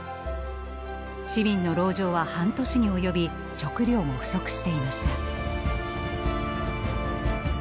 市民の籠城は半年に及び食料も不足していました。